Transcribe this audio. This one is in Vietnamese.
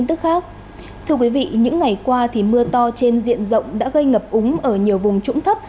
thưa quý vị những ngày qua thì mưa to trên diện rộng đã gây ngập úng ở nhiều vùng trũng thấp